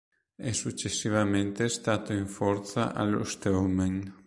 È successivamente stato in forza allo Strømmen.